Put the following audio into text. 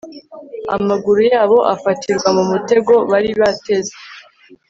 amaguru yabo afatirwa mu mutego bari bateze